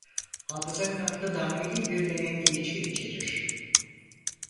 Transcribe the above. Hafıza kartı dahili bir denetleyici içerir.